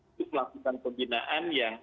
untuk melakukan pembinaan yang